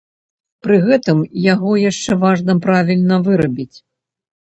Пры гэтым яго яшчэ важна правільна вырабіць.